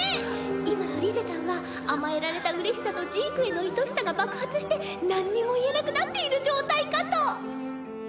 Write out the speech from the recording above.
今のリゼたんは甘えられたうれしさとジークへのいとしさが爆発してなんにも言えなくなっている状態かと。